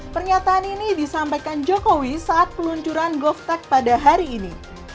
pernyataan ini disampaikan jokowi saat peluncuran golf tak pada hari ini